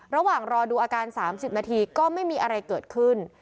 ระหว่างรอดูอาการ๓๐นาทีก็ไม่มีอะไรเกิดขึ้น